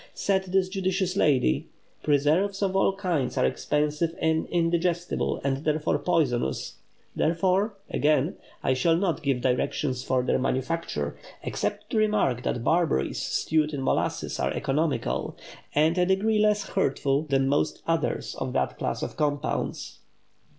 Said this judicious lady:—"Preserves of all kinds are expensive and indigestible, and therefore poisonous. Therefore"—again—"I shall not give directions for their manufacture, except to remark that barberries stewed in molasses are economical, and a degree less hurtful than most others of that class of compounds."